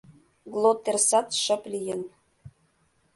Глоттерсат шып лийын.